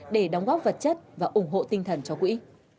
để đóng góp vật chất và ủng hộ tinh thần cho quỹ